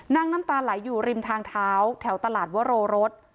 น้ำน้ำตาไหลอยู่ริมทางเท้าแถวตลาดวโรรส